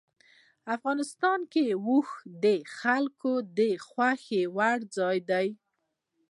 افغانستان کې اوښ د خلکو د خوښې وړ ځای دی.